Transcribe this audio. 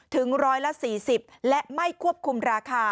ถึงร้อยละ๔๐และไม่ควบคุมราคา